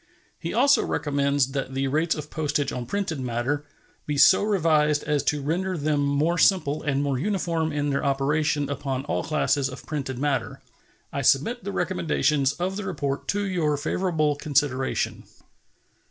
He also recommends that the rates of postage on printed matter be so revised as to render them more simple and more uniform in their operation upon all classes of printed matter. I submit the recommendations of the report to your favorable consideration.